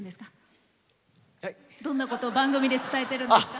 どんなことを番組で伝えてるんですか？